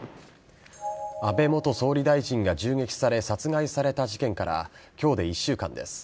安倍元総理大臣が銃撃され殺害された事件から今日で１週間です。